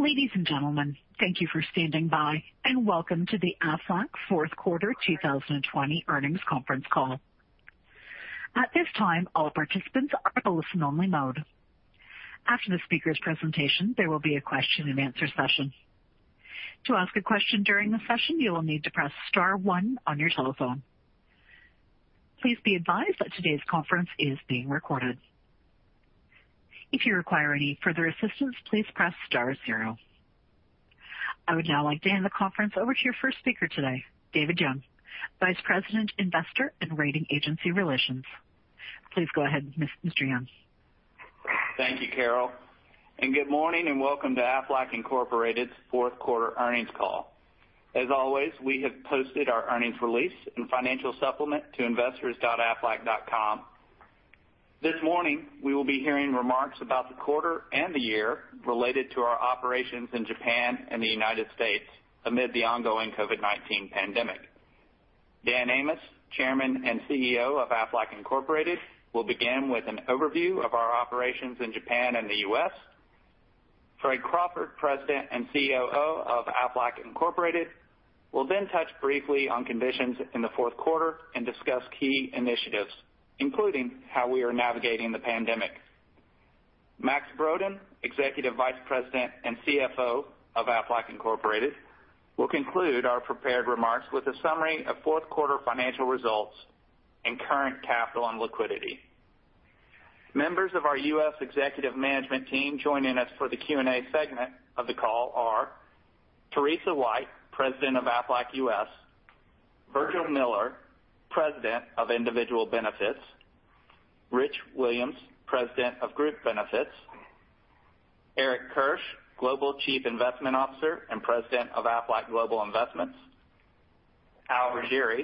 Ladies and gentlemen, thank you for standing by, and welcome to the Aflac Q4 2020 Earnings Conference Call. At this time, all participants are in listen-only mode. After the speaker's presentation, there will be a question-and-answer session. To ask a question during the session, you will need to press Star 1 on your telephone. Please be advised that today's conference is being recorded. If you require any further assistance, please press Star 0. I would now like to hand the conference over to your first speaker today, David Young, Vice President, Investor, and Rating Agency Relations. Please go ahead, Mr. Young. Thank you, Carol. And good morning, and welcome to Aflac Incorporated's Q4 Earnings Call. As always, we have posted our earnings release and financial supplement to investors.aflac.com. This morning, we will be hearing remarks about the quarter and the year related to our operations in Japan and the United States amid the ongoing COVID-19 pandemic. Dan Amos, Chairman and CEO of Aflac Incorporated, will begin with an overview of our operations in Japan and the U.S. Fred Crawford, President and COO of Aflac Incorporated, will then touch briefly on conditions in the Q4 and discuss key initiatives, including how we are navigating the pandemic. Max Brodén, Executive Vice President and CFO of Aflac Incorporated, will conclude our prepared remarks with a summary of Q4 financial results and current capital and liquidity. Members of our U.S. Executive Management Team joining us for the Q&A segment of the call are Teresa White, President of Aflac U.S., Virgil Miller, President of Individual Benefits, Rich Williams, President of Group Benefits, Eric Kirsch, Global Chief Investment Officer and President of Aflac Global Investments, Al Riggieri,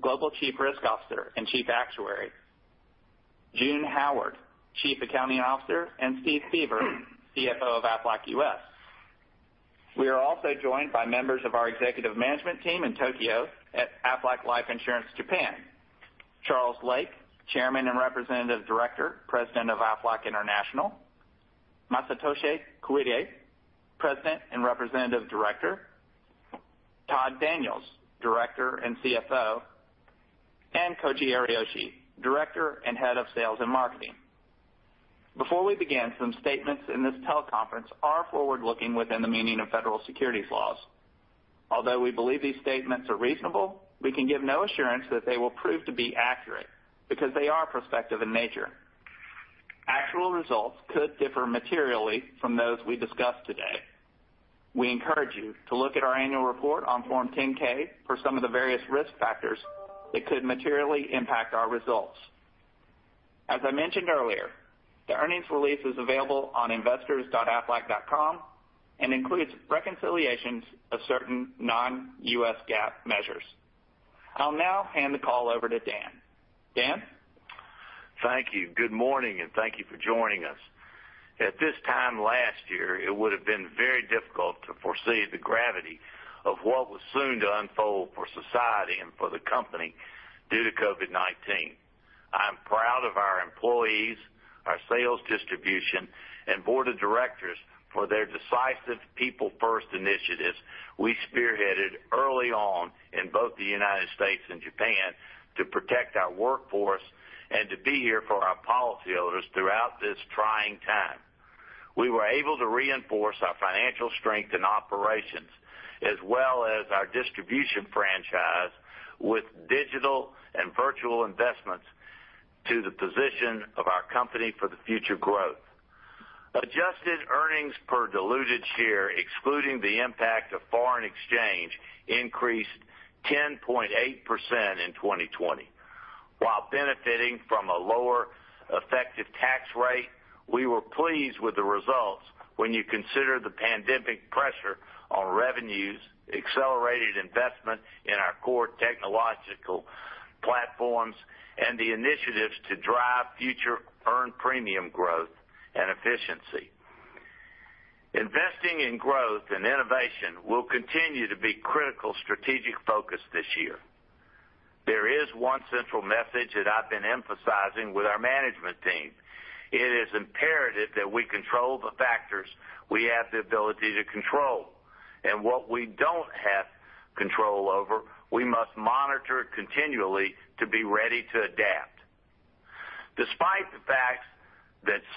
Global Chief Risk Officer and Chief Actuary, June Howard, Chief Accounting Officer, and Steve Beaver, CFO of Aflac U.S. We are also joined by members of our Executive Management Team in Tokyo at Aflac Life Insurance Japan: Charles Lake, Chairman and Representative Director, President of Aflac International, Masatoshi Koide, President and Representative Director, Todd Daniels, Director and CFO, and Koji Ariyoshi, Director and Head of Sales and Marketing. Before we begin, some statements in this teleconference are forward-looking within the meaning of federal securities laws. Although we believe these statements are reasonable, we can give no assurance that they will prove to be accurate because they are prospective in nature. Actual results could differ materially from those we discuss today. We encourage you to look at our annual report on Form 10-K for some of the various risk factors that could materially impact our results. As I mentioned earlier, the earnings release is available on investors.aflac.com and includes reconciliations of certain non-U.S. GAAP measures. I'll now hand the call over to Dan. Dan? Thank you. Good morning, and thank you for joining us. At this time last year, it would have been very difficult to foresee the gravity of what was soon to unfold for society and for the company due to COVID-19. I'm proud of our employees, our sales distribution, and board of directors for their decisive people-first initiatives we spearheaded early on in both the United States and Japan to protect our workforce and to be here for our policyholders throughout this trying time. We were able to reinforce our financial strength and operations, as well as our distribution franchise, with digital and virtual investments to the position of our company for the future growth. Adjusted Earnings Per Diluted Share, excluding the impact of foreign exchange, increased 10.8% in 2020. While benefiting from a lower effective tax rate, we were pleased with the results when you consider the pandemic pressure on revenues, accelerated investment in our core technological platforms, and the initiatives to drive future earned premium growth and efficiency. Investing in growth and innovation will continue to be critical strategic focus this year. There is one central message that I've been emphasizing with our management team. It is imperative that we control the factors we have the ability to control, and what we don't have control over, we must monitor continually to be ready to adapt. Despite the fact that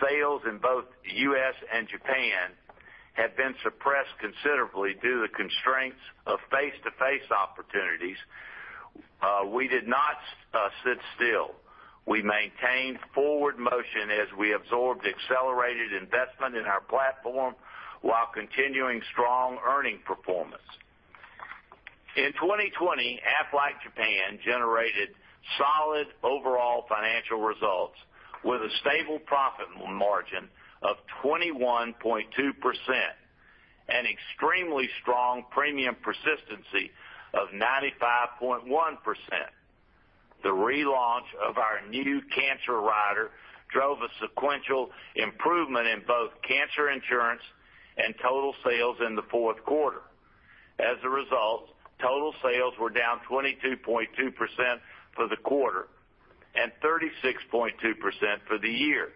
sales in both U.S. and Japan have been suppressed considerably due to the constraints of face-to-face opportunities, we did not sit still. We maintained forward motion as we absorbed accelerated investment in our platform while continuing strong earning performance. In 2020, Aflac Japan generated solid overall financial results with a stable profit margin of 21.2% and extremely strong premium persistency of 95.1%. The relaunch of our new cancer rider drove a sequential improvement in both cancer insurance and total sales in the Q4. As a result, total sales were down 22.2% for the quarter and 36.2% for the year.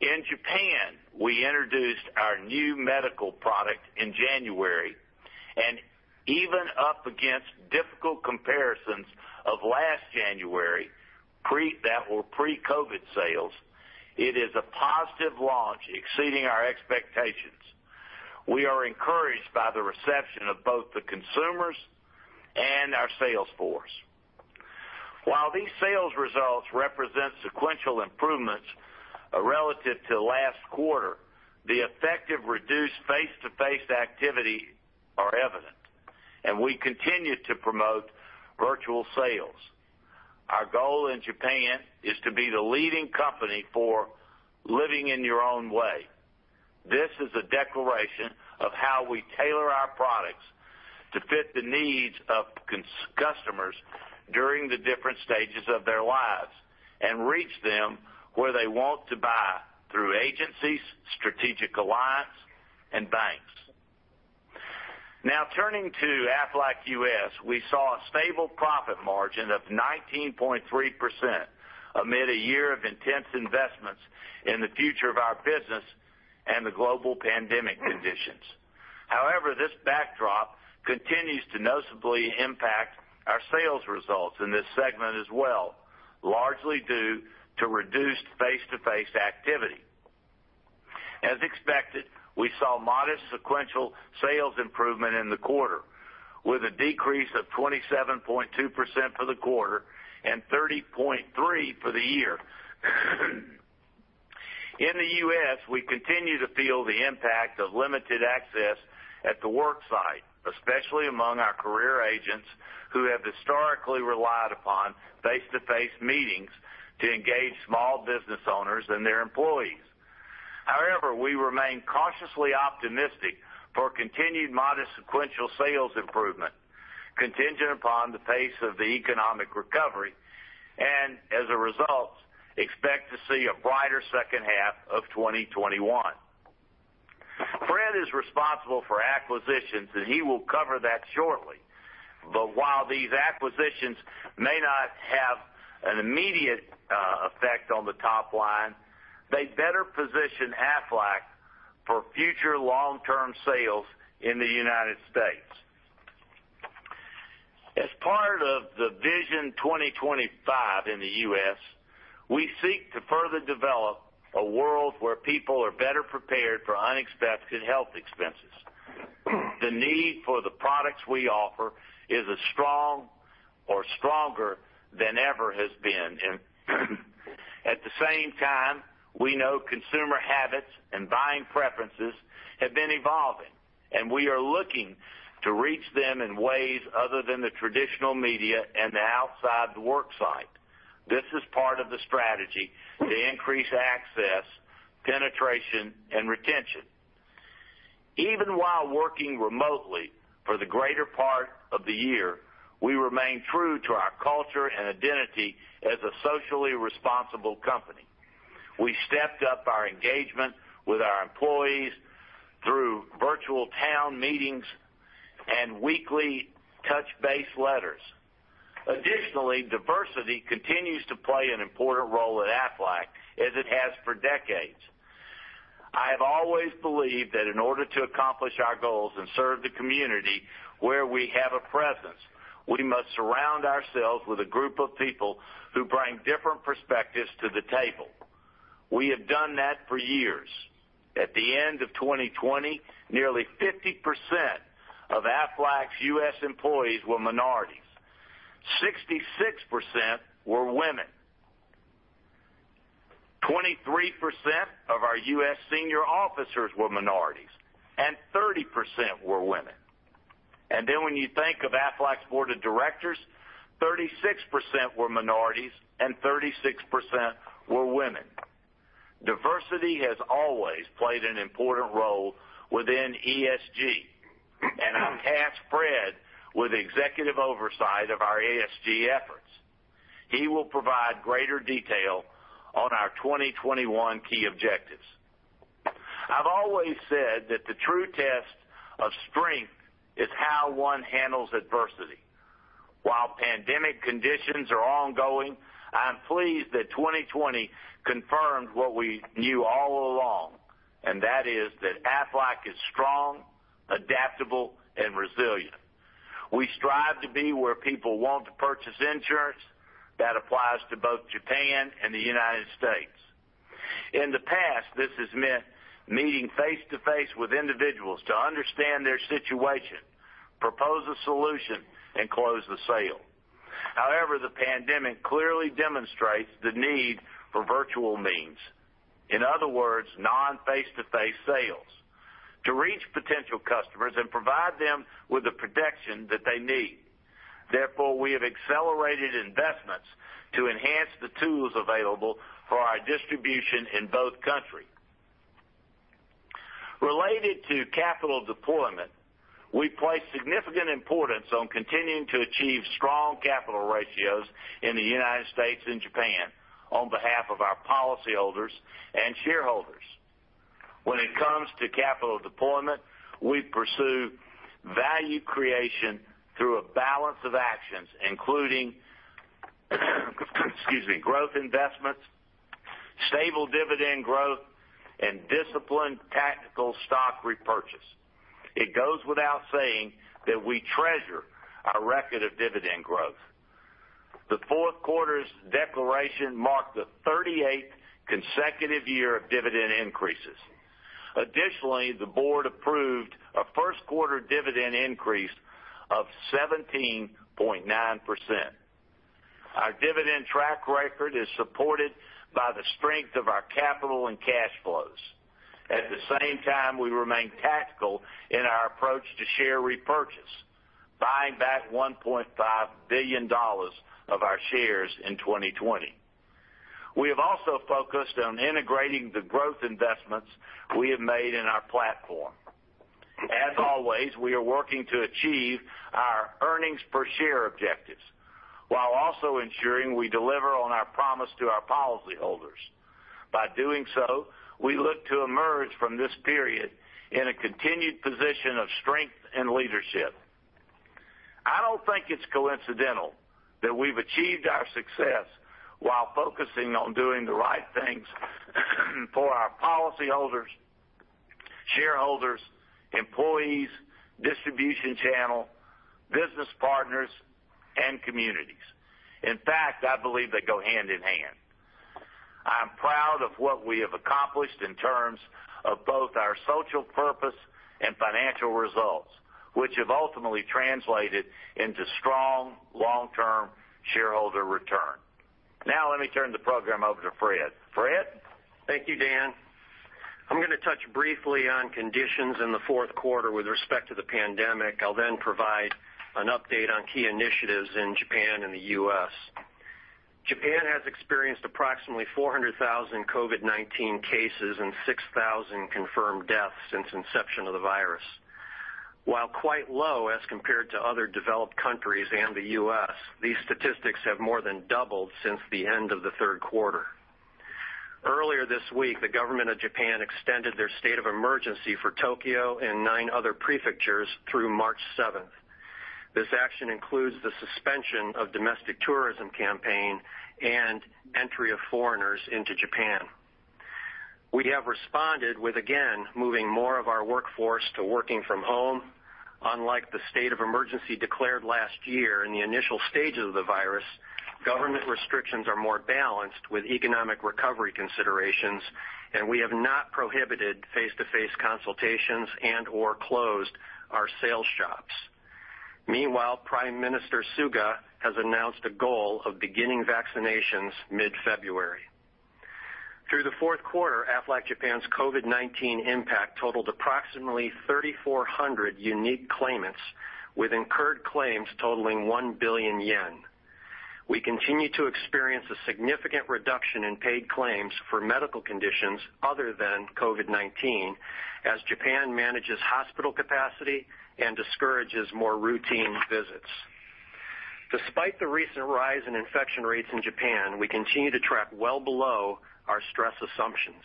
In Japan, we introduced our new medical product in January, and even up against difficult comparisons of last January that were pre-COVID sales, it is a positive launch exceeding our expectations. We are encouraged by the reception of both the consumers and our sales force. While these sales results represent sequential improvements relative to last quarter, the effective reduced face-to-face activity is evident, and we continue to promote virtual sales. Our goal in Japan is to be the leading company for living in your own way. This is a declaration of how we tailor our products to fit the needs of customers during the different stages of their lives and reach them where they want to buy through agencies, strategic alliance, and banks. Now, turning to Aflac U.S., we saw a stable profit margin of 19.3% amid a year of intense investments in the future of our business and the global pandemic conditions. However, this backdrop continues to noticeably impact our sales results in this segment as well, largely due to reduced face-to-face activity. As expected, we saw modest sequential sales improvement in the quarter, with a decrease of 27.2% for the quarter and 30.3% for the year. In the U.S., we continue to feel the impact of limited access at the worksite, especially among our career agents who have historically relied upon face-to-face meetings to engage small business owners and their employees. However, we remain cautiously optimistic for continued modest sequential sales improvement contingent upon the pace of the economic recovery and, as a result, expect to see a brighter second half of 2021. Fred is responsible for acquisitions, and he will cover that shortly. But while these acquisitions may not have an immediate effect on the top line, they better position Aflac for future long-term sales in the United States. As part of the Vision 2025 in the U.S., we seek to further develop a world where people are better prepared for unexpected health expenses. The need for the products we offer is as strong or stronger than ever has been. At the same time, we know consumer habits and buying preferences have been evolving, and we are looking to reach them in ways other than the traditional media and the outside work site. This is part of the strategy to increase access, penetration, and retention. Even while working remotely for the greater part of the year, we remain true to our culture and identity as a socially responsible company. We stepped up our engagement with our employees through virtual town meetings and weekly touch-base letters. Additionally, diversity continues to play an important role at Aflac, as it has for decades. I have always believed that in order to accomplish our goals and serve the community where we have a presence, we must surround ourselves with a group of people who bring different perspectives to the table. We have done that for years. At the end of 2020, nearly 50% of Aflac's U.S. employees were minorities. 66% were women. 23% of our U.S. senior officers were minorities, and 30% were women. Then when you think of Aflac's board of directors, 36% were minorities, and 36% were women. Diversity has always played an important role within ESG, and I'll task Fred with executive oversight of our ESG efforts. He will provide greater detail on our 2021 key objectives. I've always said that the true test of strength is how one handles adversity. While pandemic conditions are ongoing, I'm pleased that 2020 confirmed what we knew all along, and that is that Aflac is strong, adaptable, and resilient. We strive to be where people want to purchase insurance. That applies to both Japan and the United States. In the past, this has meant meeting face-to-face with individuals to understand their situation, propose a solution, and close the sale. However, the pandemic clearly demonstrates the need for virtual means. In other words, non-face-to-face sales to reach potential customers and provide them with the protection that they need. Therefore, we have accelerated investments to enhance the tools available for our distribution in both countries. Related to capital deployment, we place significant importance on continuing to achieve strong capital ratios in the United States and Japan on behalf of our policyholders and shareholders. When it comes to capital deployment, we pursue value creation through a balance of actions, including growth investments, stable dividend growth, and disciplined tactical stock repurchase. It goes without saying that we treasure our record of dividend growth. The Q4's declaration marked the 38th consecutive year of dividend increases. Additionally, the board approved a Q1 dividend increase of 17.9%. Our dividend track record is supported by the strength of our capital and cash flows. At the same time, we remain tactical in our approach to share repurchase, buying back $1.5 billion of our shares in 2020. We have also focused on integrating the growth investments we have made in our platform. As always, we are working to achieve our earnings per share objectives while also ensuring we deliver on our promise to our policyholders. By doing so, we look to emerge from this period in a continued position of strength and leadership. I don't think it's coincidental that we've achieved our success while focusing on doing the right things for our policyholders, shareholders, employees, distribution channel, business partners, and communities. In fact, I believe they go hand in hand. I'm proud of what we have accomplished in terms of both our social purpose and financial results, which have ultimately translated into strong long-term shareholder return. Now, let me turn the program over to Fred. Fred? Thank you, Dan. I'm going to touch briefly on conditions in the Q4 with respect to the pandemic. I'll then provide an update on key initiatives in Japan and the U.S. Japan has experienced approximately 400,000 COVID-19 cases and 6,000 confirmed deaths since inception of the virus. While quite low as compared to other developed countries and the U.S., these statistics have more than doubled since the end of the Q3. Earlier this week, the government of Japan extended their state of emergency for Tokyo and nine other prefectures through March 7th. This action includes the suspension of the domestic tourism campaign and entry of foreigners into Japan. We have responded with, again, moving more of our workforce to working from home. Unlike the state of emergency declared last year in the initial stages of the virus, government restrictions are more balanced with economic recovery considerations, and we have not prohibited face-to-face consultations and/or closed our sales shops. Meanwhile, Prime Minister Suga has announced a goal of beginning vaccinations mid-February. Through the Q4, Aflac Japan's COVID-19 impact totaled approximately 3,400 unique claimants, with incurred claims totaling 1 billion yen. We continue to experience a significant reduction in paid claims for medical conditions other than COVID-19 as Japan manages hospital capacity and discourages more routine visits. Despite the recent rise in infection rates in Japan, we continue to track well below our stress assumptions.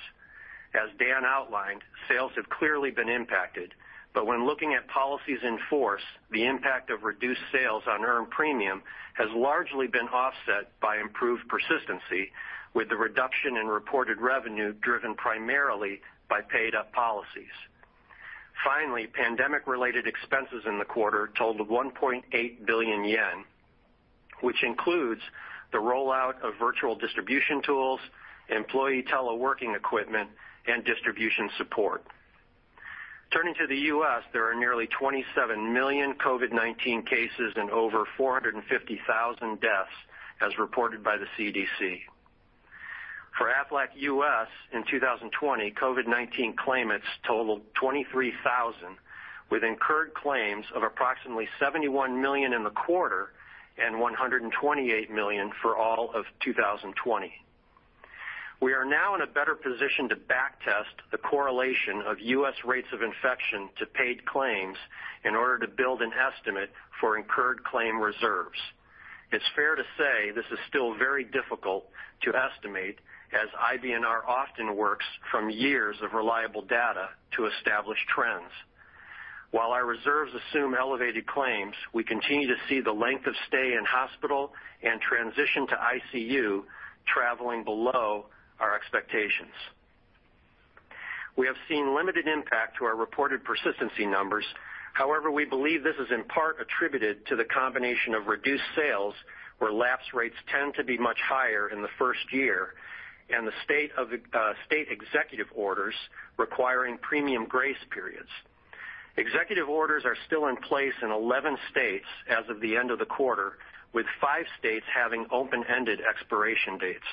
As Dan outlined, sales have clearly been impacted, but when looking at policies in force, the impact of reduced sales on earned premium has largely been offset by improved persistency, with the reduction in reported revenue driven primarily by paid-up policies. Finally, pandemic-related expenses in the quarter totaled 1.8 billion yen, which includes the rollout of virtual distribution tools, employee teleworking equipment, and distribution support. Turning to the U.S., there are nearly 27 million COVID-19 cases and over 450,000 deaths, as reported by the CDC. For Aflac U.S., in 2020, COVID-19 claimants totaled 23,000, with incurred claims of approximately $71 million in the quarter and $128 million for all of 2020. We are now in a better position to backtest the correlation of U.S. rates of infection to paid claims in order to build an estimate for incurred claim reserves. It's fair to say this is still very difficult to estimate, as IBNR often works from years of reliable data to establish trends. While our reserves assume elevated claims, we continue to see the length of stay in hospital and transition to ICU traveling below our expectations. We have seen limited impact to our reported persistency numbers. However, we believe this is in part attributed to the combination of reduced sales, where lapse rates tend to be much higher in the first year, and the state executive orders requiring premium grace periods. Executive orders are still in place in 11 states as of the end of the quarter, with five states having open-ended expiration dates.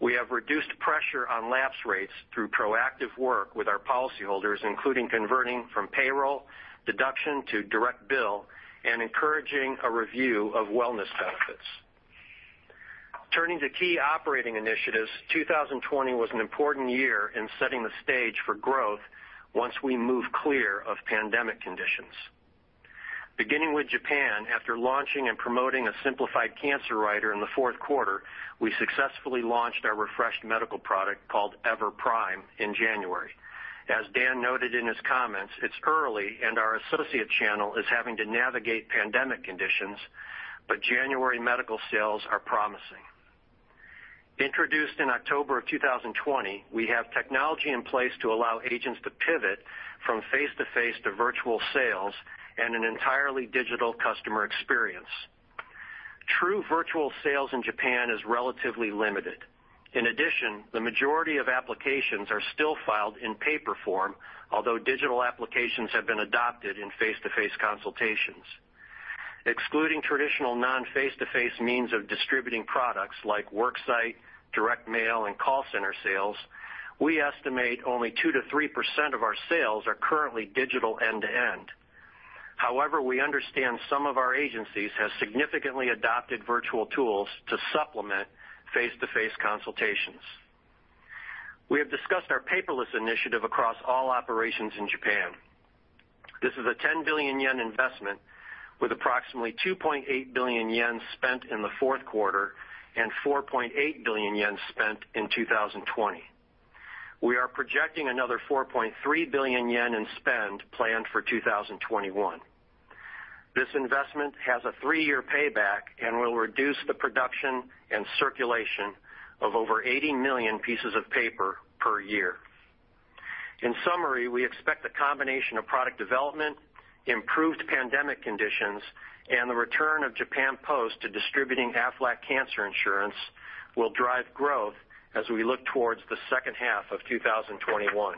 We have reduced pressure on lapse rates through proactive work with our policyholders, including converting from payroll deduction to direct bill and encouraging a review of wellness benefits. Turning to key operating initiatives, 2020 was an important year in setting the stage for growth once we move clear of pandemic conditions. Beginning with Japan, after launching and promoting a simplified cancer rider in the Q4, we successfully launched our refreshed medical product called in January. As Dan noted in his comments, it's early, and our associate channel is having to navigate pandemic conditions, but January medical sales are promising. Introduced in October of 2020, we have technology in place to allow agents to pivot from face-to-face to virtual sales and an entirely digital customer experience. True virtual sales in Japan is relatively limited. In addition, the majority of applications are still filed in paper form, although digital applications have been adopted in face-to-face consultations. Excluding traditional non-face-to-face means of distributing products like worksite, direct mail, and call center sales, we estimate only 2%-3% of our sales are currently digital end-to-end. However, we understand some of our agencies have significantly adopted virtual tools to supplement face-to-face consultations. We have discussed our paperless initiative across all operations in Japan. This is a 10 billion yen investment, with approximately 2.8 billion yen spent in the Q4 and 4.8 billion yen spent in 2020. We are projecting another 4.3 billion yen in spend planned for 2021. This investment has a three-year payback and will reduce the production and circulation of over 80 million pieces of paper per year. In summary, we expect a combination of product development, improved pandemic conditions, and the return of Japan Post to distributing Aflac cancer insurance will drive growth as we look towards the second half of 2021.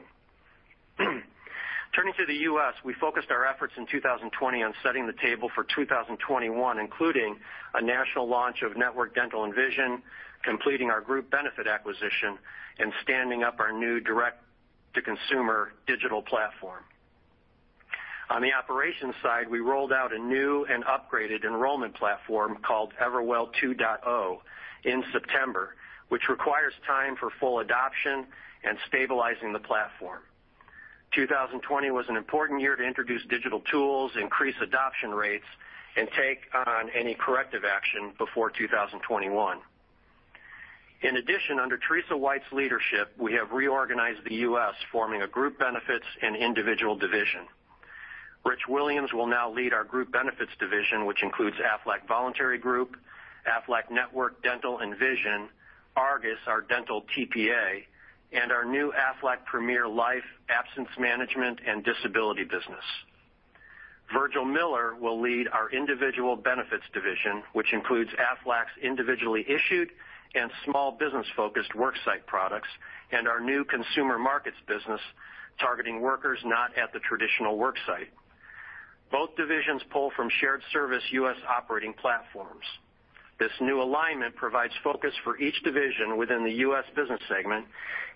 Turning to the U.S., we focused our efforts in 2020 on setting the table for 2021, including a national launch of Network Dental and Vision, completing our group benefit acquisition, and standing up our new direct-to-consumer digital platform. On the operations side, we rolled out a new and upgraded enrollment platform called Everwell 2.0 in September, which requires time for full adoption and stabilizing the platform. 2020 was an important year to introduce digital tools, increase adoption rates, and take on any corrective action before 2021. In addition, under Teresa White's leadership, we have reorganized the U.S., forming a group benefits and individual division. Rich Williams will now lead our group benefits division, which includes Aflac Voluntary Group, Aflac network dental and vision, Argus, our dental TPA, and our new Aflac Premier Life Absence Management and Disability business. Virgil Miller will lead our individual benefits division, which includes Aflac's individually issued and small business-focused worksite products and our new consumer markets business targeting workers not at the traditional worksite. Both divisions pull from shared service U.S. operating platforms. This new alignment provides focus for each division within the U.S. business segment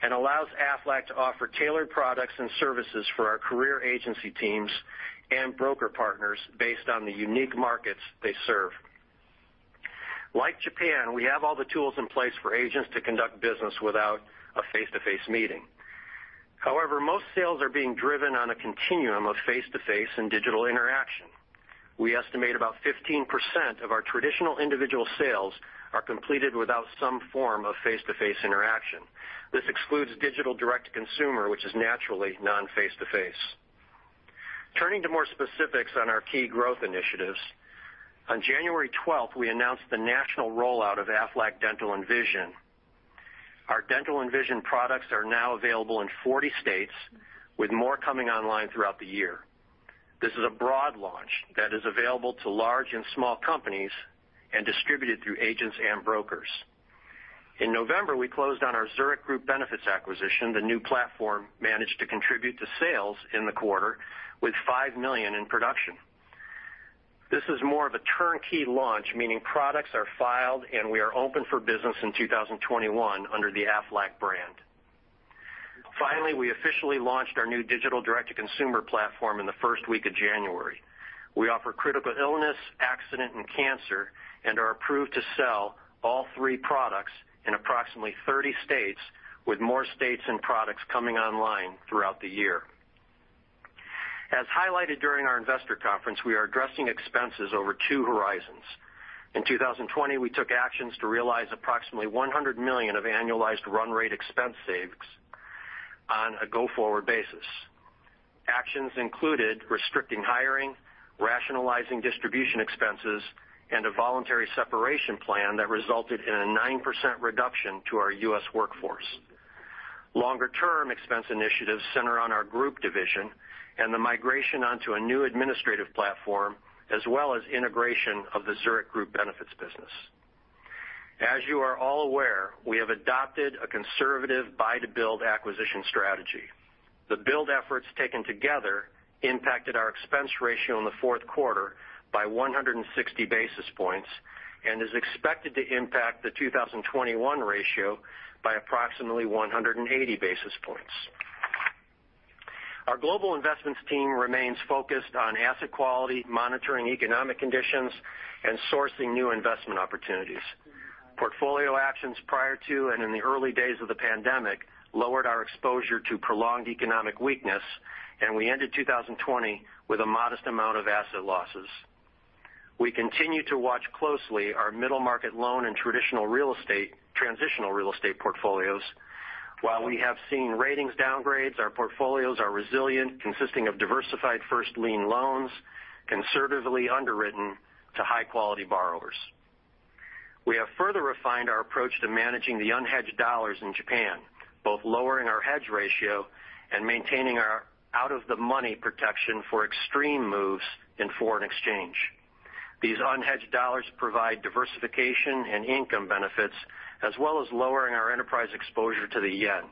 and allows Aflac to offer tailored products and services for our career agency teams and broker partners based on the unique markets they serve. Like Japan, we have all the tools in place for agents to conduct business without a face-to-face meeting. However, most sales are being driven on a continuum of face-to-face and digital interaction. We estimate about 15% of our traditional individual sales are completed without some form of face-to-face interaction. This excludes digital direct-to-consumer, which is naturally non-face-to-face. Turning to more specifics on our key growth initiatives, on January 12th, we announced the national rollout of Aflac Dental and Vision. Our Dental and Vision products are now available in 40 states, with more coming online throughout the year. This is a broad launch that is available to large and small companies and distributed through agents and brokers. In November, we closed on our Zurich group benefits acquisition. The new platform managed to contribute to sales in the quarter with $5 million in production. This is more of a turnkey launch, meaning products are filed and we are open for business in 2021 under the Aflac brand. Finally, we officially launched our new digital direct-to-consumer platform in the first week of January. We offer critical illness, accident, and cancer and are approved to sell all three products in approximately 30 states, with more states and products coming online throughout the year. As highlighted during our investor conference, we are addressing expenses over two horizons. In 2020, we took actions to realize approximately $100 million of annualized run rate expense savings on a go-forward basis. Actions included restricting hiring, rationalizing distribution expenses, and a voluntary separation plan that resulted in a 9% reduction to our U.S. workforce. Longer-term expense initiatives center on our group division and the migration onto a new administrative platform, as well as integration of the Zurich Group benefits business. As you are all aware, we have adopted a conservative buy-to-build acquisition strategy. The build efforts taken together impacted our expense ratio in the Q4 by 160 basis points and is expected to impact the 2021 ratio by approximately 180 basis points. Our global investments team remains focused on asset quality, monitoring economic conditions, and sourcing new investment opportunities. Portfolio actions prior to and in the early days of the pandemic lowered our exposure to prolonged economic weakness, and we ended 2020 with a modest amount of asset losses. We continue to watch closely our middle market loan and traditional real estate transitional real estate portfolios. While we have seen ratings downgrades, our portfolios are resilient, consisting of diversified first lien loans conservatively underwritten to high-quality borrowers. We have further refined our approach to managing the unhedged dollars in Japan, both lowering our hedge ratio and maintaining our out-of-the-money protection for extreme moves in foreign exchange. These unhedged dollars provide diversification and income benefits, as well as lowering our enterprise exposure to the yen.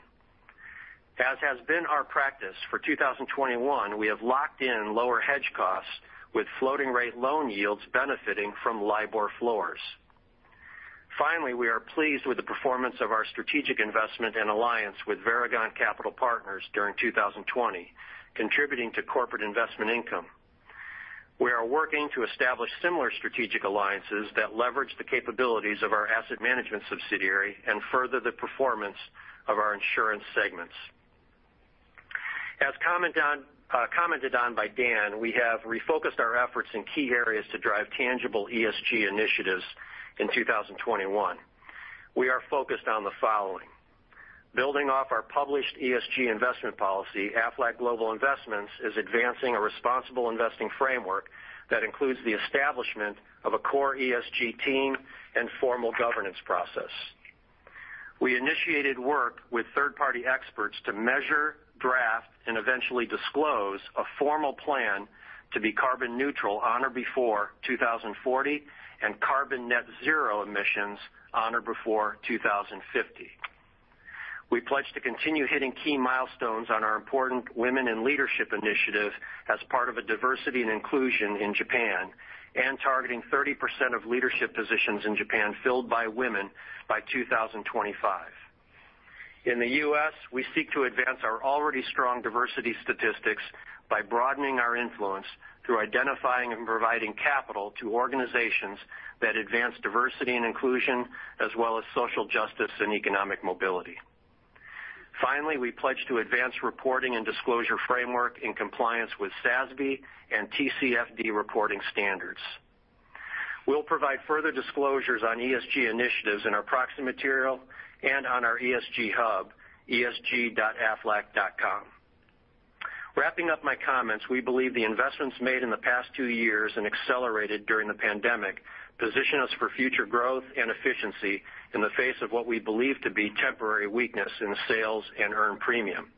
As has been our practice for 2021, we have locked in lower hedge costs with floating-rate loan yields benefiting from LIBOR floors. Finally, we are pleased with the performance of our strategic investment and alliance with Varigon Capital Partners during 2020, contributing to corporate investment income. We are working to establish similar strategic alliances that leverage the capabilities of our asset management subsidiary and further the performance of our insurance segments. As commented on by Dan, we have refocused our efforts in key areas to drive tangible ESG initiatives in 2021. We are focused on the following: building off our published ESG investment policy, Aflac Global Investments is advancing a responsible investing framework that includes the establishment of a core ESG team and formal governance process. We initiated work with third-party experts to measure, draft, and eventually disclose a formal plan to be carbon neutral on or before 2040 and carbon net zero emissions on or before 2050. We pledge to continue hitting key milestones on our important women in leadership initiative as part of a diversity and inclusion in Japan and targeting 30% of leadership positions in Japan filled by women by 2025. In the U.S., we seek to advance our already strong diversity statistics by broadening our influence through identifying and providing capital to organizations that advance diversity and inclusion, as well as social justice and economic mobility. Finally, we pledge to advance reporting and disclosure framework in compliance with SASB and TCFD reporting standards. We'll provide further disclosures on ESG initiatives in our proxy material and on our ESG hub, esg.aflac.com. Wrapping up my comments, we believe the investments made in the past two years and accelerated during the pandemic position us for future growth and efficiency in the face of what we believe to be temporary weakness in sales and earned premium.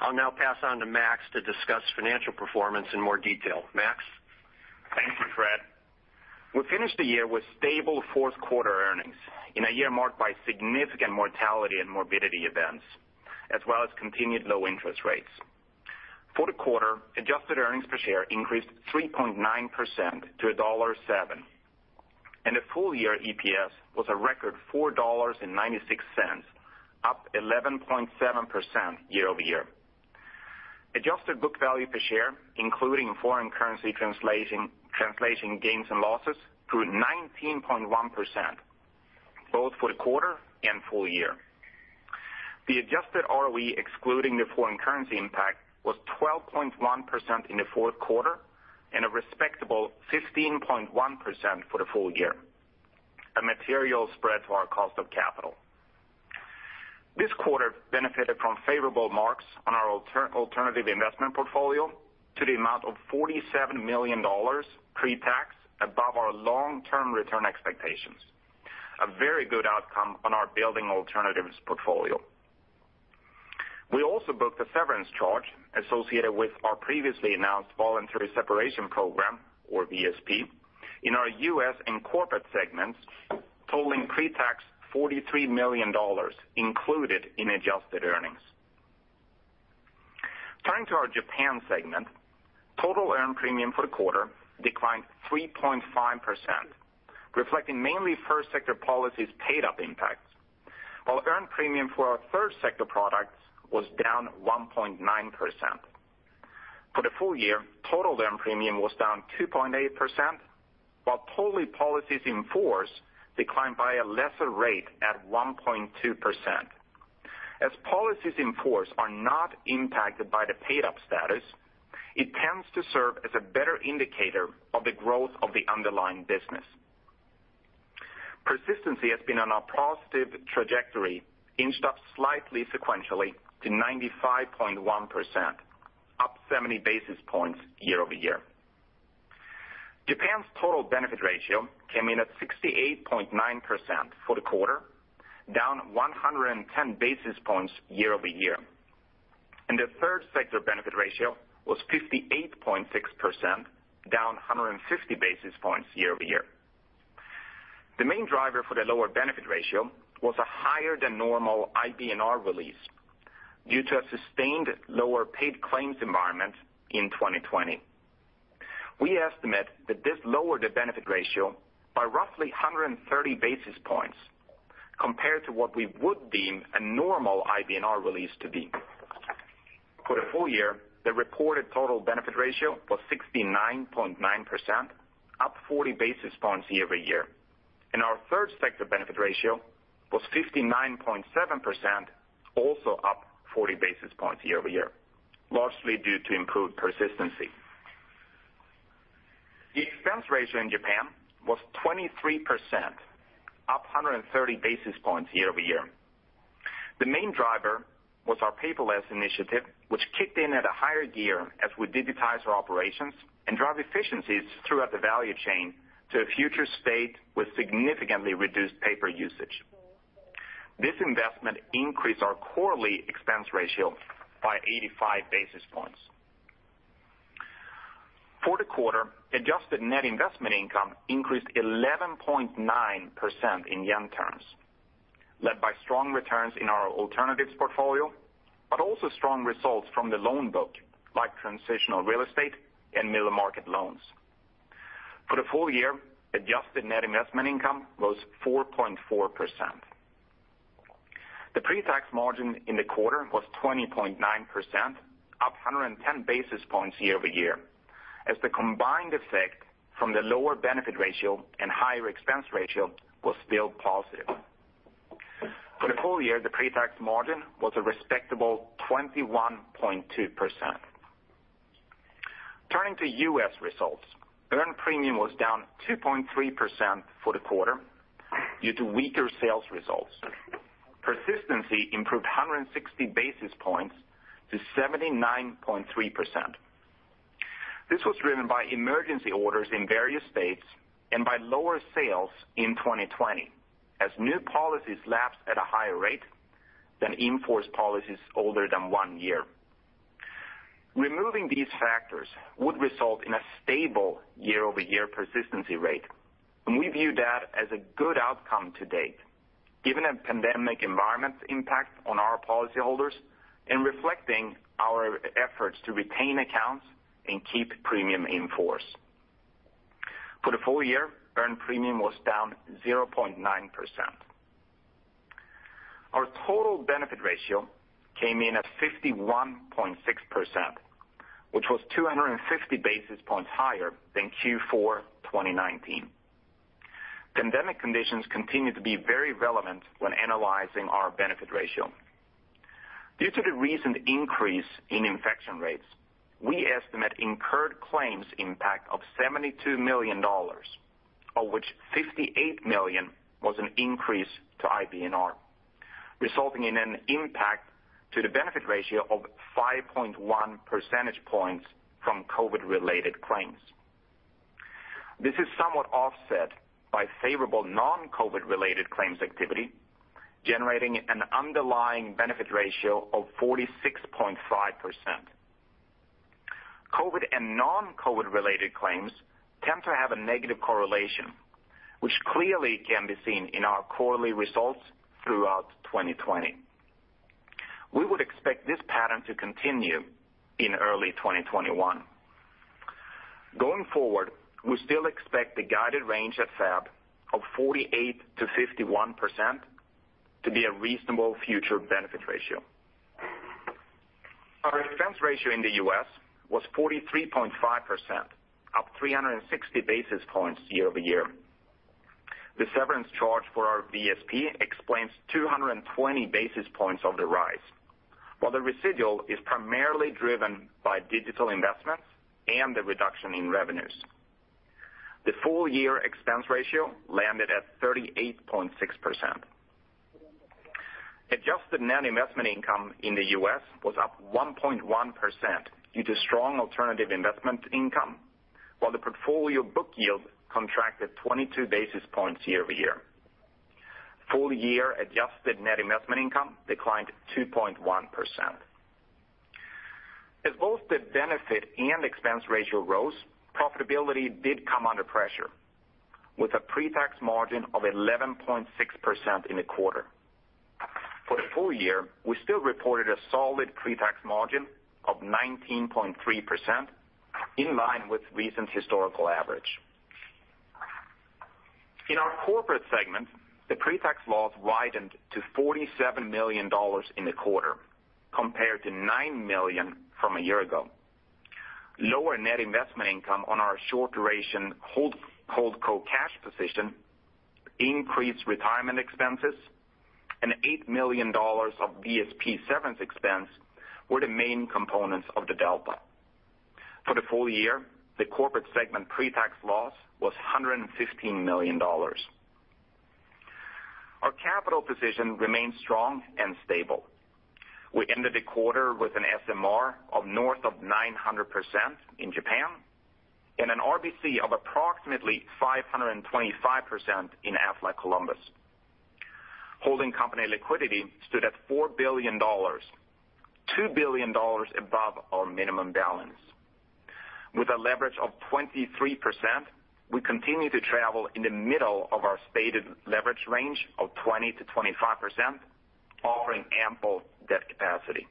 I'll now pass on to Max to discuss financial performance in more detail. Max? Thank you, Fred. We finished the year with stable Q4 earnings in a year marked by significant mortality and morbidity events, as well as continued low interest rates. For the quarter, adjusted earnings per share increased 3.9%-$1.07, and the full year EPS was a record $4.96, up 11.7% year over year. Adjusted book value per share, including foreign currency translation gains and losses, grew 19.1% both for the quarter and full year. The adjusted ROE, excluding the foreign currency impact, was 12.1% in the Q4 and a respectable 15.1% for the full year, a material spread to our cost of capital. This quarter benefited from favorable marks on our alternative investment portfolio to the amount of $47 million pre-tax above our long-term return expectations, a very good outcome on our building alternatives portfolio. We also booked a severance charge associated with our previously announced voluntary separation program, or VSP, in our U.S. and corporate segments, totaling pre-tax $43 million included in adjusted earnings. Turning to our Japan segment, total earned premium for the quarter declined 3.5%, reflecting mainly first sector policies paid-up impacts, while earned premium for our third sector products was down 1.9%. For the full year, total earned premium was down 2.8%, while policies in force declined by a lesser rate at 1.2%. As policies in force are not impacted by the paid-up status, it tends to serve as a better indicator of the growth of the underlying business. Persistency has been on a positive trajectory, inched up slightly sequentially to 95.1%, up 70 basis points year over year. Japan's total benefit ratio came in at 68.9% for the quarter, down 110 basis points year over year. The third sector benefit ratio was 58.6%, down 150 basis points year over year. The main driver for the lower benefit ratio was a higher-than-normal IBNR release due to a sustained lower paid claims environment in 2020. We estimate that this lowered the benefit ratio by roughly 130 basis points compared to what we would deem a normal IBNR release to be. For the full year, the reported total benefit ratio was 69.9%, up 40 basis points year over year. Our third sector benefit ratio was 59.7%, also up 40 basis points year over year, largely due to improved persistency. The expense ratio in Japan was 23%, up 130 basis points year over year. The main driver was our paperless initiative, which kicked in at a higher gear as we digitize our operations and drive efficiencies throughout the value chain to a future state with significantly reduced paper usage. This investment increased our quarterly expense ratio by 85 basis points. For the quarter, adjusted net investment income increased 11.9% in yen terms, led by strong returns in our alternatives portfolio, but also strong results from the loan book, like transitional real estate and middle market loans. For the full year, adjusted net investment income was 4.4%. The pre-tax margin in the quarter was 20.9%, up 110 basis points year over year, as the combined effect from the lower benefit ratio and higher expense ratio was still positive. For the full year, the pre-tax margin was a respectable 21.2%. Turning to U.S. Results, earned premium was down 2.3% for the quarter due to weaker sales results. Persistency improved 160 basis points to 79.3%. This was driven by emergency orders in various states and by lower sales in 2020, as new policies lapsed at a higher rate than in-force policies older than one year. Removing these factors would result in a stable year-over-year persistency rate, and we view that as a good outcome to date, given a pandemic environment's impact on our policyholders and reflecting our efforts to retain accounts and keep premium in force. For the full year, earned premium was down 0.9%. Our total benefit ratio came in at 51.6%, which was 250 basis points higher than Q4 2019. Pandemic conditions continue to be very relevant when analyzing our benefit ratio. Due to the recent increase in infection rates, we estimate incurred claims impact of $72 million, of which $58 million was an increase to IBNR, resulting in an impact to the benefit ratio of 5.1 percentage points from COVID-related claims. This is somewhat offset by favorable non-COVID-related claims activity, generating an underlying benefit ratio of 46.5%. COVID and non-COVID-related claims tend to have a negative correlation, which clearly can be seen in our quarterly results throughout 2020. We would expect this pattern to continue in early 2021. Going forward, we still expect the guided range at FAB of 48%-51% to be a reasonable future benefit ratio. Our expense ratio in the U.S. was 43.5%, up 360 basis points year over year. The severance charge for our VSP explains 220 basis points of the rise, while the residual is primarily driven by digital investments and the reduction in revenues. The full year expense ratio landed at 38.6%. Adjusted net investment income in the U.S. was up 1.1% due to strong alternative investment income, while the portfolio book yield contracted 22 basis points year over year. Full year adjusted net investment income declined 2.1%. As both the benefit and expense ratio rose, profitability did come under pressure, with a pre-tax margin of 11.6% in the quarter. For the full year, we still reported a solid pre-tax margin of 19.3%, in line with recent historical average. In our corporate segment, the pre-tax loss widened to $47 million in the quarter, compared to $9 million from a year ago. Lower net investment income on our short duration Holdco cash position increased retirement expenses, and $8 million of VSP severance expense were the main components of the delta. For the full year, the corporate segment pre-tax loss was $115 million. Our capital position remained strong and stable. We ended the quarter with an SMR of north of 900% in Japan and an RBC of approximately 525% in Aflac Columbus. Holding company liquidity stood at $4 billion, $2 billion above our minimum balance. With a leverage of 23%, we continue to travel in the middle of our stated leverage range of 20%-25%, offering ample debt capacity.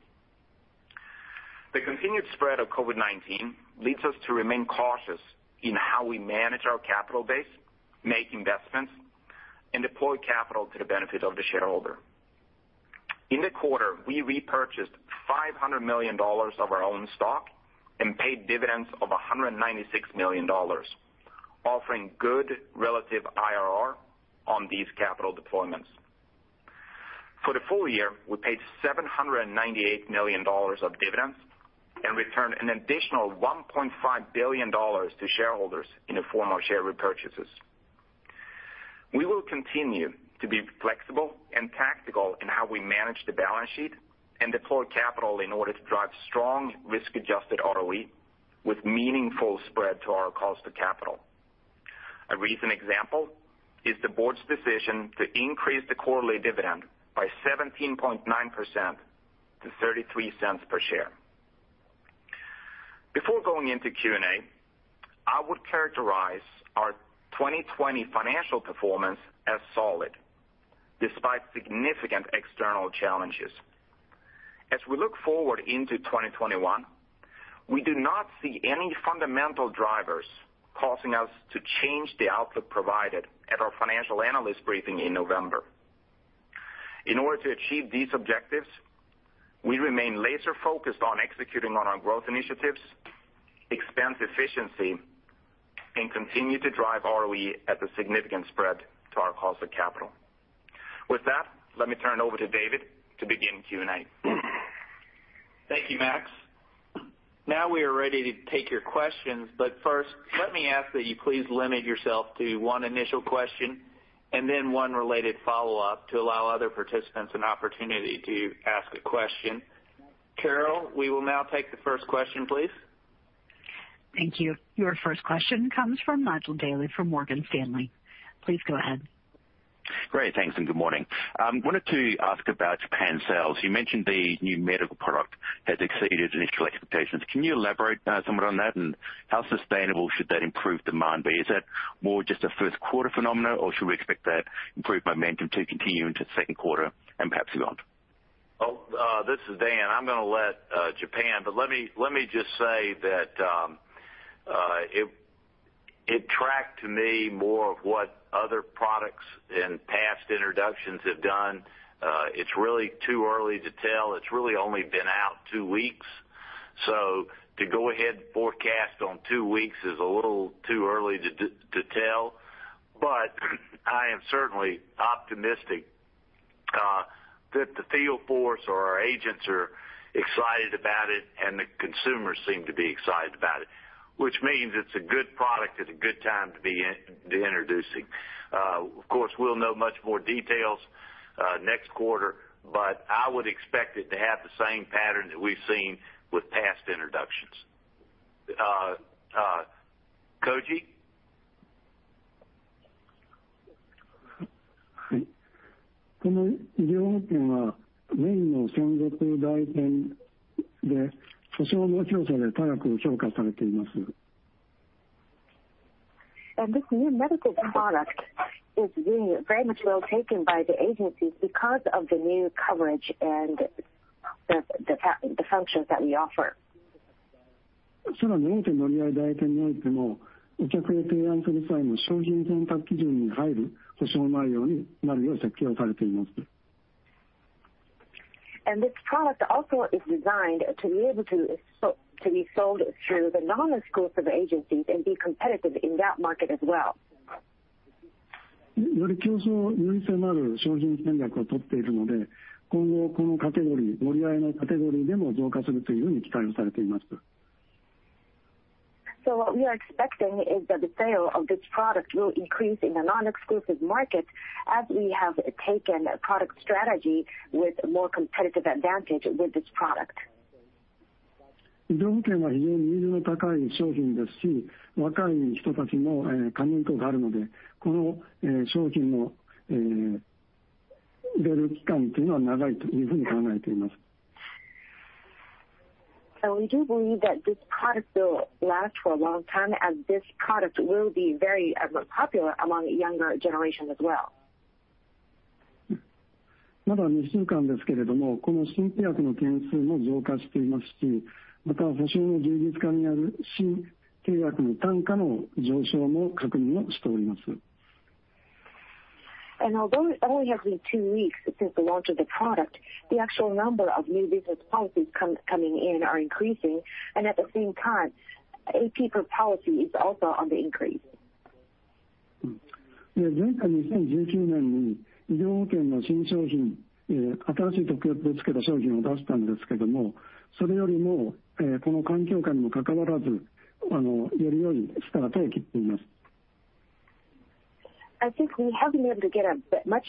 The continued spread of COVID-19 leads us to remain cautious in how we manage our capital base, make investments, and deploy capital to the benefit of the shareholder. In the quarter, we repurchased $500 million of our own stock and paid dividends of $196 million, offering good relative IRR on these capital deployments. For the full year, we paid $798 million of dividends and returned an additional $1.5 billion to shareholders in the form of share repurchases. We will continue to be flexible and tactical in how we manage the balance sheet and deploy capital in order to drive strong risk-adjusted ROE with meaningful spread to our cost of capital. A recent example is the board's decision to increase the quarterly dividend by 17.9%-$0.33 per share. Before going into Q&A, I would characterize our 2020 financial performance as solid, despite significant external challenges. As we look forward into 2021, we do not see any fundamental drivers causing us to change the outlook provided at our financial analyst briefing in November. In order to achieve these objectives, we remain laser-focused on executing on our growth initiatives, expense efficiency, and continue to drive ROE at a significant spread to our cost of capital. With that, let me turn it over to David to begin Q&A. Thank you, Max. Now we are ready to take your questions, but first, let me ask that you please limit yourself to one initial question and then one related follow-up to allow other participants an opportunity to ask a question. Carol, we will now take the first question, please. Thank you. Your first question comes from Nigel Dally from Morgan Stanley. Please go ahead. Great. Thanks, and good morning. I wanted to ask about Japan's sales. You mentioned the new medical product has exceeded initial expectations. Can you elaborate somewhat on that, and how sustainable should that improved demand be? Is that more just a Q1 phenomenon, or should we expect that improved momentum to continue into the Q2 and perhaps beyond? Oh, this is Dan. I'm going to let Japan, but let me just say that it tracked to me more of what other products and past introductions have done. It's really too early to tell. It's really only been out two weeks, so to go ahead and forecast on two weeks is a little too early to tell. But I am certainly optimistic that the field force or our agents are excited about it, and the consumers seem to be excited about it, which means it's a good product at a good time to be introducing. Of course, we'll know much more details next quarter, but I would expect it to have the same pattern that we've seen with past introductions.? はい。この医療保険はメインの専属代金で保障の強さで高く評価されています。This new medical product is being very much well taken by the agencies because of the new coverage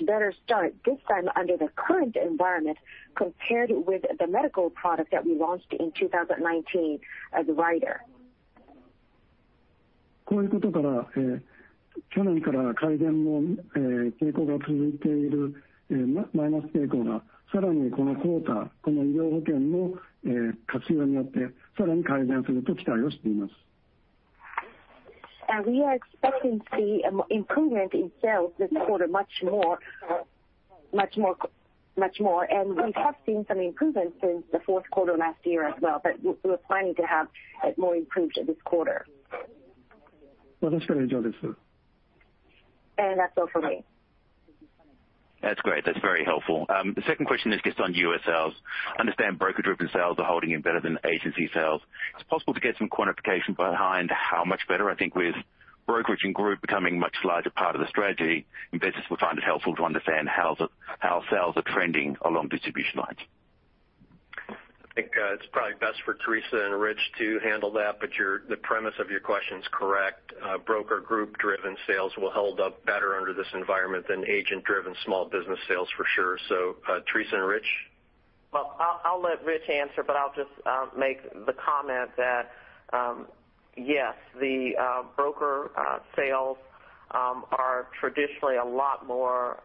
That's great. That's very helpful. The second question is just on U.S. sales. I understand broker-driven sales are holding in better than agency sales. It's possible to get some quantification behind how much better. I think with brokerage and group becoming a much larger part of the strategy in business, we'll find it helpful to understand how sales are trending along distribution lines. I think it's probably best for Teresa and Rich to handle that, but the premise of your question is correct. Broker group-driven sales will hold up better under this environment than agent-driven small business sales, for sure. So Teresa and Rich? I'll let Rich answer, but I'll just make the comment that, yes, the broker sales are traditionally a lot more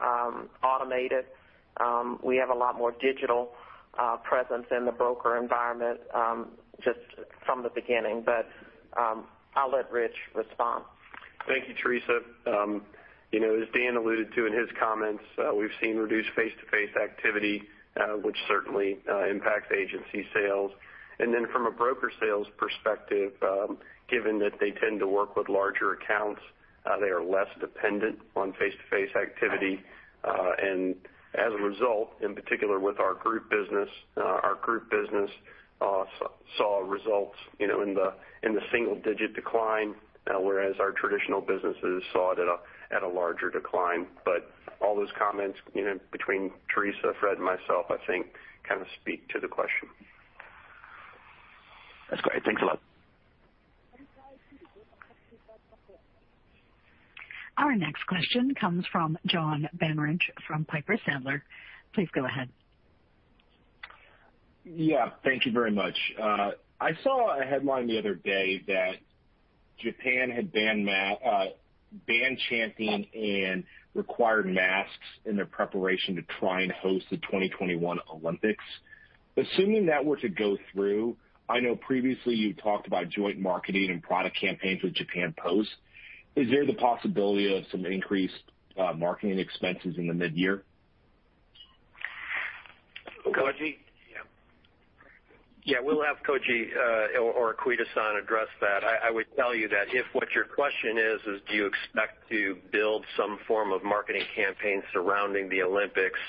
automated. We have a lot more digital presence in the broker environment just from the beginning, but I'll let Rich respond. Thank you, Teresa. As Dan alluded to in his comments, we've seen reduced face-to-face activity, which certainly impacts agency sales. And then from a broker sales perspective, given that they tend to work with larger accounts, they are less dependent on face-to-face activity. And as a result, in particular with our group business, our group business saw results in the single-digit decline, whereas our traditional businesses saw it at a larger decline. But all those comments between Teresa, Fred, and myself, I think, kind of speak to the question. That's great. Thanks a lot. Our next question comes from John Barnidge from Piper Sandler. Please go ahead. Yeah. Thank you very much. I saw a headline the other day that Japan had banned chanting and required masks in their preparation to try and host the 2021 Olympics. Assuming that were to go through, I know previously you talked about joint marketing and product campaigns with Japan Post. Is there the possibility of some increased marketing expenses in the mid-year? Koji? Yeah. Yeah. We'll have Koji Ariyoshi-san address that. I would tell you that if what your question is, is do you expect to build some form of marketing campaign surrounding the Olympics,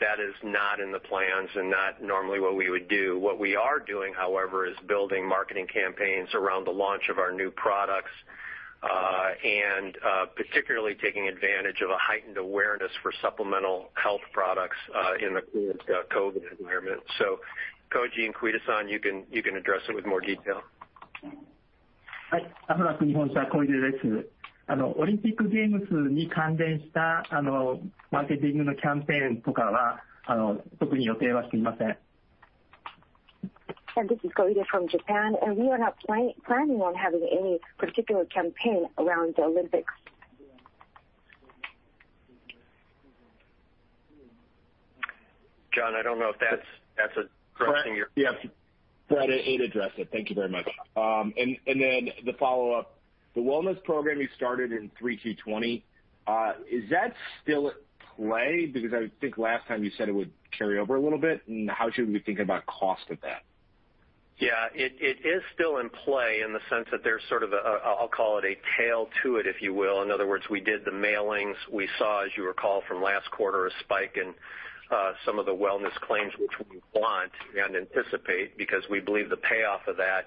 that is not in the plans and not normally what we would do. What we are doing, however, is building marketing campaigns around the launch of our new products and particularly taking advantage of a heightened awareness for supplemental health products in the COVID environment. So Koji Ariyoshi-san, you can address it with more detail. ありがとうございます。オリンピック・ゲームズに関連したマーケティングのキャンペーンとかは特に予定はしていません。This is Koji from Japan. We are not planning on having any particular campaign around the Olympics. John, I don't know if that's addressing your? Yes, it addressed it. Thank you very much. And then the follow-up, the wellness program you started in 3Q20, is that still at play? Because I think last time you said it would carry over a little bit. And how should we be thinking about cost of that? Yeah. It is still in play in the sense that there's sort of, I'll call it a tail to it, if you will. In other words, we did the mailings. We saw, as you recall from last quarter, a spike in some of the wellness claims which we want and anticipate because we believe the payoff of that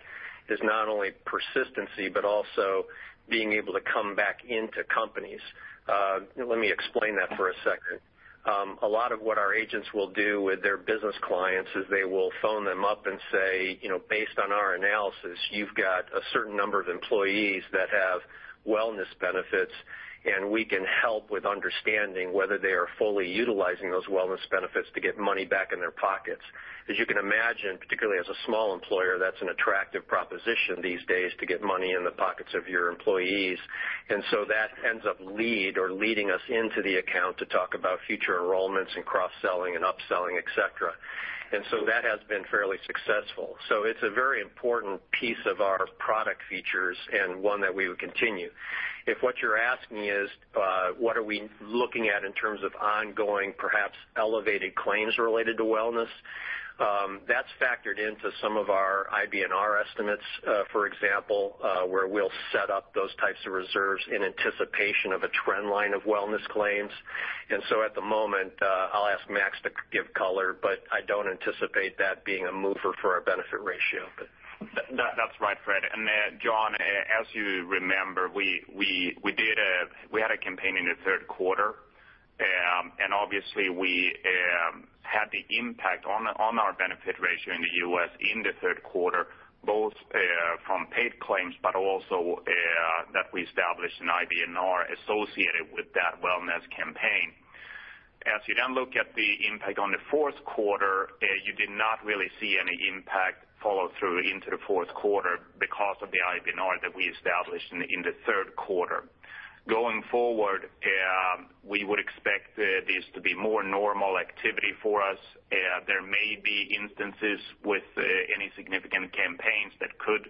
is not only persistency but also being able to come back into companies. Let me explain that for a second. A lot of what our agents will do with their business clients is they will phone them up and say, "Based on our analysis, you've got a certain number of employees that have wellness benefits, and we can help with understanding whether they are fully utilizing those wellness benefits to get money back in their pockets." As you can imagine, particularly as a small employer, that's an attractive proposition these days to get money in the pockets of your employees. And so that ends up leading us into the account to talk about future enrollments and cross-selling and upselling, etc. And so that has been fairly successful. So it's a very important piece of our product features and one that we will continue. If what you're asking is, "What are we looking at in terms of ongoing, perhaps elevated claims related to wellness?" that's factored into some of our IBNR estimates, for example, where we'll set up those types of reserves in anticipation of a trend line of wellness claims. And so at the moment, I'll ask Max to give color, but I don't anticipate that being a mover for our benefit ratio. That's right. Fred And John, as you remember, we had a campaign in the Q3, and obviously, we had the impact on our benefit ratio in the U.S. in the Q3, both from paid claims but also that we established an IBNR associated with that wellness campaign. As you then look at the impact on the Q4, you did not really see any impact follow-through into the Q4 because of the IBNR that we established in the Q3. Going forward, we would expect this to be more normal activity for us. There may be instances with any significant campaigns that could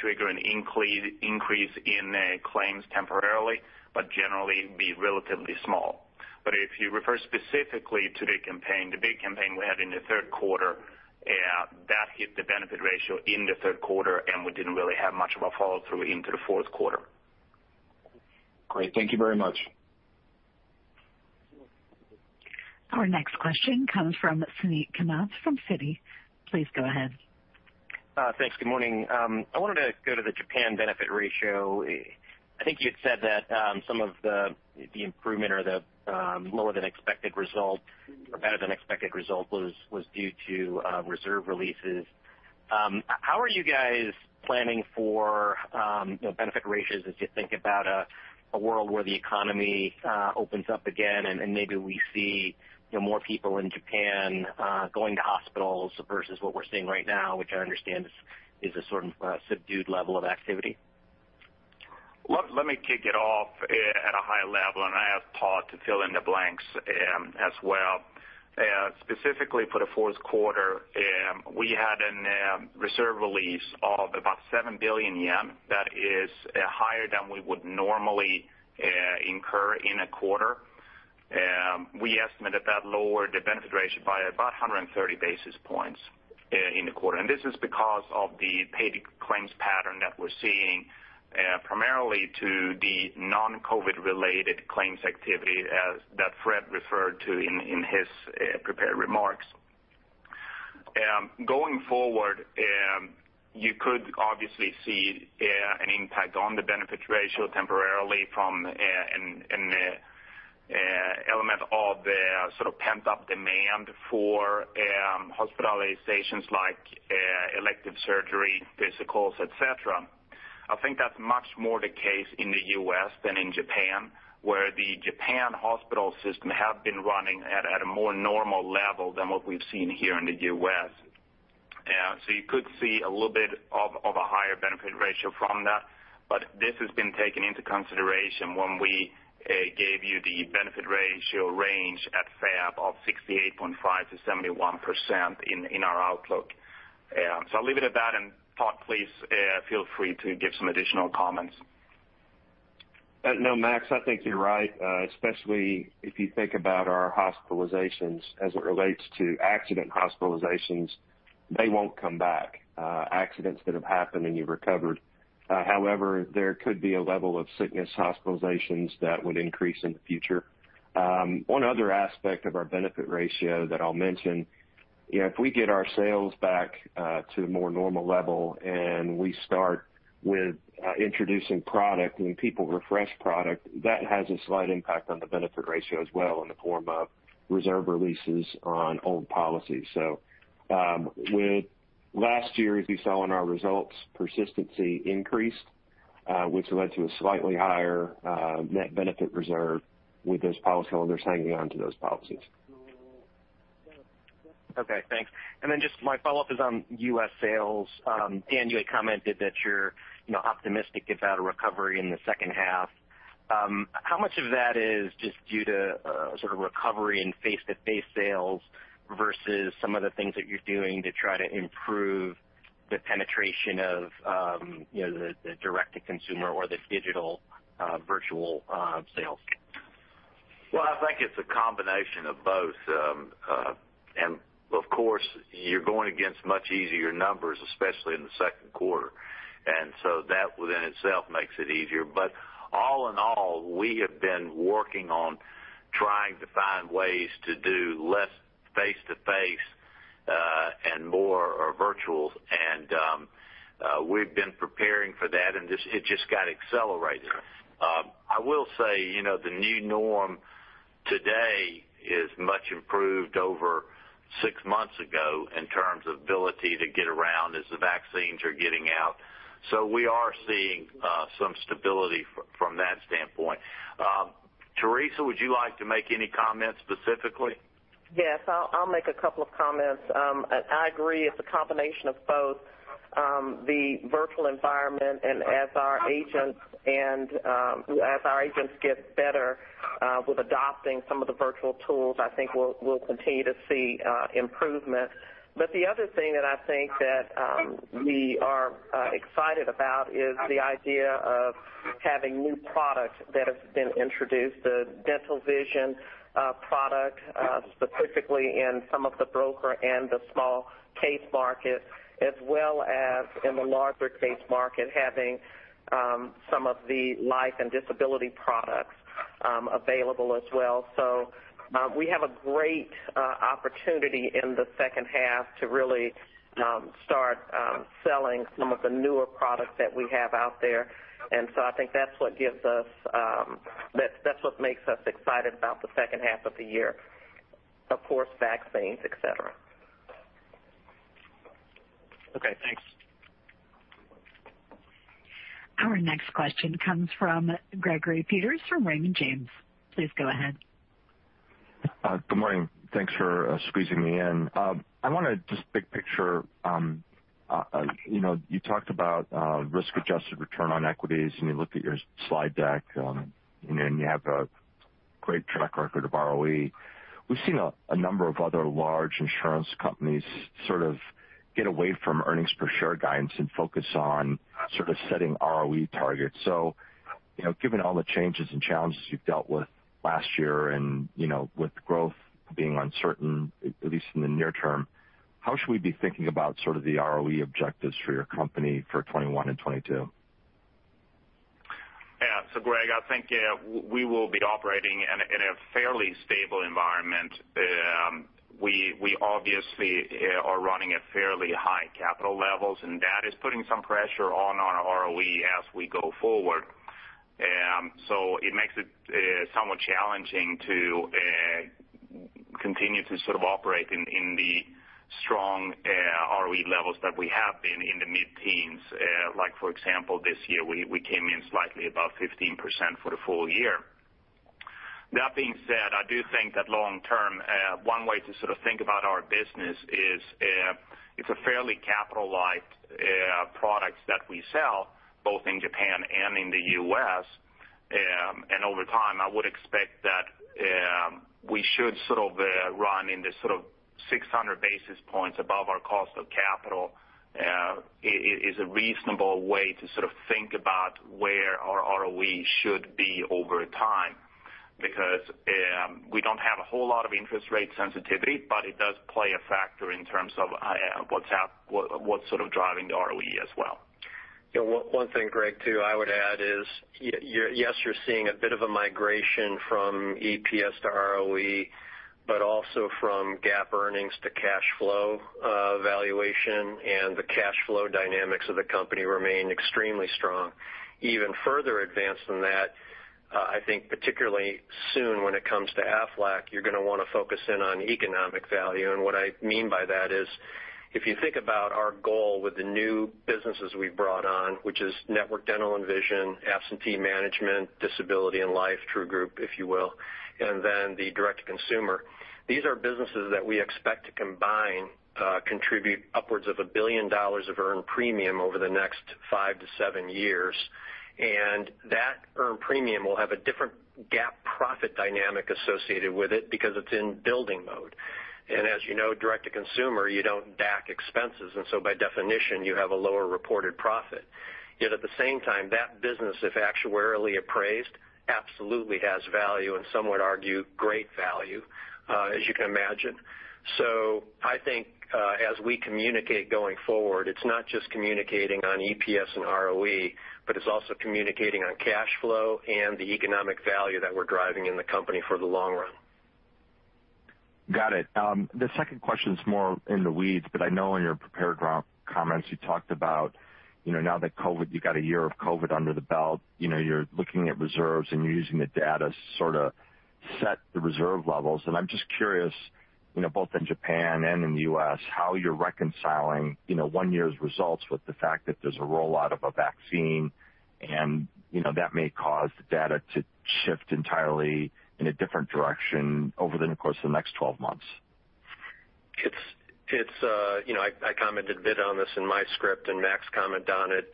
trigger an increase in claims temporarily, but generally be relatively small. If you refer specifically to the big campaign we had in the Q3, that hit the benefit ratio in the Q3, and we didn't really have much of a follow-through into the Q4. Great. Thank you very much. Our next question comes from Suneet Kamath from Citigroup. Please go ahead. Thanks. Good morning. I wanted to go to the Japan benefit ratio. I think you had said that some of the improvement or the lower-than-expected result or better-than-expected result was due to reserve releases. How are you guys planning for benefit ratios as you think about a world where the economy opens up again and maybe we see more people in Japan going to hospitals versus what we're seeing right now, which I understand is a sort of subdued level of activity? Let me kick it off at a high level, and I asked to fill in the blanks as well. Specifically for the Q4, we had a reserve release of about 7 billion yen that is higher than we would normally incur in a quarter. We estimated that lowered the benefit ratio by about 130 basis points in the quarter. This is because of the paid claims pattern that we're seeing, primarily to the non-COVID-related claims activity that Fred referred to in his prepared remarks. Going forward, you could obviously see an impact on the benefit ratio temporarily from an element of sort of pent-up demand for hospitalizations like elective surgery, physicals, etc. I think that's much more the case in the U.S. than in Japan, where the Japan hospital system has been running at a more normal level than what we've seen here in the U.S. So you could see a little bit of a higher benefit ratio from that, but this has been taken into consideration when we gave you the benefit ratio range at Fab of 68.5%-71% in our outlook. So I'll leave it at that. Please feel free to give some additional comments. No, Max, I think you're right, especially if you think about our hospitalizations as it relates to accident hospitalizations. They won't come back, accidents that have happened and you've recovered. However, there could be a level of sickness hospitalizations that would increase in the future. One other aspect of our benefit ratio that I'll mention: if we get our sales back to a more normal level and we start with introducing product and people refresh product, that has a slight impact on the benefit ratio as well in the form of reserve releases on old policies, so last year, as you saw in our results, persistency increased, which led to a slightly higher net benefit reserve with those policyholders hanging on to those policies. Okay. Thanks. And then just my follow-up is on U.S. sales. Dan, you had commented that you're optimistic about a recovery in the second half. How much of that is just due to sort of recovery in face-to-face sales versus some of the things that you're doing to try to improve the penetration of the direct-to-consumer or the digital virtual sales? I think it's a combination of both. And of course, you're going against much easier numbers, especially in the Q2. And so that within itself makes it easier. But all in all, we have been working on trying to find ways to do less face-to-face and more virtual. And we've been preparing for that, and it just got accelerated. I will say the new norm today is much improved over six months ago in terms of ability to get around as the vaccines are getting out. So we are seeing some stability from that standpoint. Teresa, would you like to make any comments specifically? Yes. I'll make a couple of comments. I agree it's a combination of both the virtual environment and as our agents get better with adopting some of the virtual tools. I think we'll continue to see improvement. But the other thing that I think that we are excited about is the idea of having new products that have been introduced, the dental vision product specifically in some of the broker and the small case market. As well as in the larger case market having some of the life and disability products available as well. So we have a great opportunity in the second half to really start selling some of the newer products that we have out there. And so I think that's what makes us excited about the second half of the year, of course, vaccines, etc. Okay. Thanks. Our next question comes from Gregory Peters from Raymond James. Please go ahead. Good morning. Thanks for squeezing me in. I want to just big picture. You talked about risk-adjusted return on equities, and you looked at your slide deck, and you have a great track record of ROE. We've seen a number of other large insurance companies sort of get away from earnings per share guidance and focus on sort of setting ROE targets. So given all the changes and challenges you've dealt with last year and with growth being uncertain, at least in the near term, how should we be thinking about sort of the ROE objectives for your company for 2021 and 2022? Yeah. So Greg, I think we will be operating in a fairly stable environment. We obviously are running at fairly high capital levels, and that is putting some pressure on our ROE as we go forward. So it makes it somewhat challenging to continue to sort of operate in the strong ROE levels that we have been in the mid-teens. Like for example, this year, we came in slightly above 15% for the full year. That being said, I do think that long term, one way to sort of think about our business is it's a fairly capitalized product that we sell both in Japan and in the U.S. And over time, I would expect that we should sort of run in the sort of 600 basis points above our cost of capital. It is a reasonable way to sort of think about where our ROE should be over time because we don't have a whole lot of interest rate sensitivity, but it does play a factor in terms of what's sort of driving the ROE as well. One thing, Greg, too, I would add is, yes, you're seeing a bit of a migration from EPS to ROE, but also from GAAP earnings to cash flow valuation, and the cash flow dynamics of the company remain extremely strong. Even further advanced than that, I think particularly soon when it comes to Aflac, you're going to want to focus in on economic value, and what I mean by that is if you think about our goal with the new businesses we've brought on, which is network dental and vision, absence management, disability and life, True Group, if you will, and then the direct-to-consumer. these are businesses that we expect to combine contribute upwards of $1 billion of earned premium over the next 5-7 years, and that earned premium will have a different GAAP profit dynamic associated with it because it's in building mode. And as you know, direct-to-consumer, you don't DAC expenses. And so by definition, you have a lower reported profit. Yet at the same time, that business, if actuarially appraised, absolutely has value and some would argue great value, as you can imagine. So I think as we communicate going forward, it's not just communicating on EPS and ROE, but it's also communicating on cash flow and the economic value that we're driving in the company for the long run. Got it. The second question's more in the weeds, but I know in your prepared comments you talked about now that COVID, you've got a year of COVID under the belt. You're looking at reserves, and you're using the data to sort of set the reserve levels, and I'm just curious, both in Japan and in the U.S., how you're reconciling one year's results with the fact that there's a rollout of a vaccine, and that may cause the data to shift entirely in a different direction over the course of the next 12 months. I commented a bit on this in my script, and Max commented on it.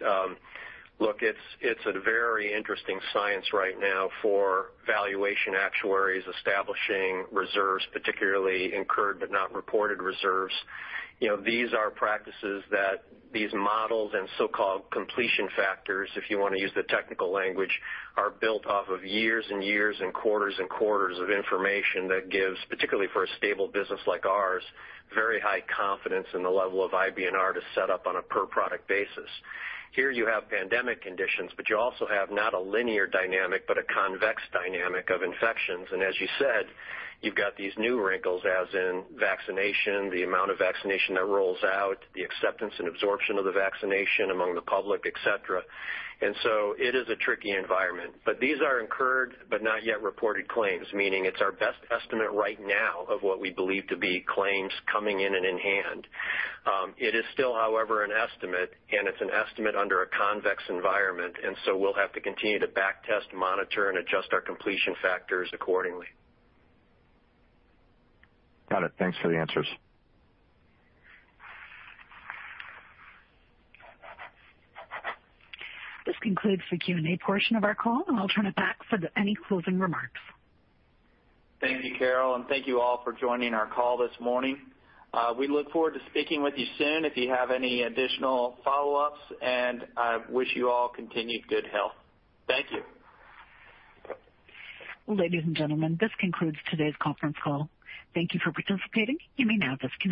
Look, it's a very interesting science right now for valuation actuaries establishing reserves, particularly incurred but not reported reserves. These are practices that these models and so-called completion factors, if you want to use the technical language, are built off of years and years and quarters and quarters of information that gives, particularly for a stable business like ours. Very high confidence in the level of IBNR to set up on a per-product basis. Here you have pandemic conditions, but you also have not a linear dynamic but a convex dynamic of infections, and as you said, you've got these new wrinkles, as in vaccination, the amount of vaccination that rolls out, the acceptance and absorption of the vaccination among the public, etc., and so it is a tricky environment. But these are incurred but not yet reported claims, meaning it's our best estimate right now of what we believe to be claims coming in and in hand. It is still, however, an estimate, and it's an estimate under a COVID environment. And so we'll have to continue to backtest, monitor, and adjust our completion factors accordingly. Got it. Thanks for the answers. This concludes the Q&A portion of our call, and I'll turn it back for any closing remarks. Thank you, Carol, and thank you all for joining our call this morning. We look forward to speaking with you soon if you have any additional follow-ups, and I wish you all continued good health. Thank you. Ladies and gentlemen, this concludes today's conference call. Thank you for participating. You may now disconnect.